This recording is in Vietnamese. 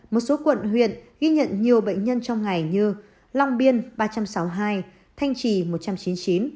một số quận huyện ghi nhận nhiều bệnh nhân trong ngày như long biên ba trăm sáu mươi hai thanh trì một trăm chín mươi chín